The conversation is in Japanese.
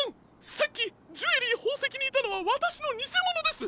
さっきジュエリーほうせきにいたのはわたしのにせものです！